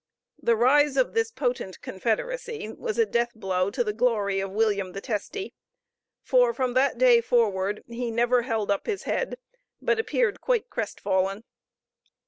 The rise of this potent confederacy was a death blow to the glory of William the Testy, for from that day forward he never held up his head, but appeared quite crestfallen.